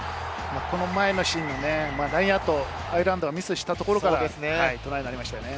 この前のシーン、ラインアウト、アイルランドがミスしたところからのトライになりました。